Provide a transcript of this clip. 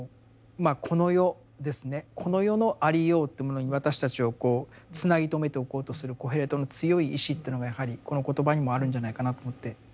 この世ですねこの世のありようっていうものに私たちをこうつなぎ止めておこうとするコヘレトの強い意志というのがやはりこの言葉にもあるんじゃないかなと思って。